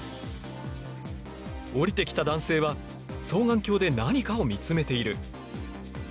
降りてきた男性は双眼鏡で何かを見つめている。